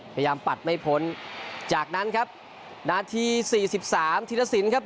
ปัดไม่พ้นจากนั้นครับนาทีสี่สิบสามธีรสินครับ